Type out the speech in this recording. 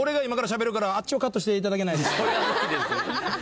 それは無理です。